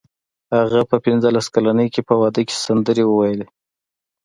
هغه په پنځلس کلنۍ کې په واده کې سندرې وویلې